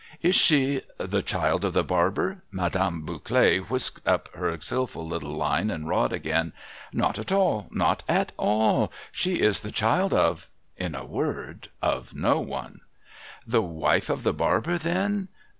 'Is she ?' 'The child of the liarber?' Madame Bouclet whisked up her skilful little line and rod again. ' Not at all, not at all ! She is the child of — in a word, of no one.' ' The wife of the barber, then